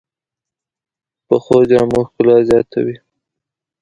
پخو جامو ښکلا زیاته وي